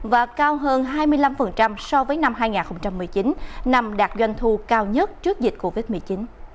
và cao hơn hai mươi năm so với năm hai nghìn một mươi chín nằm đạt doanh thu cao nhất trước dịch covid một mươi chín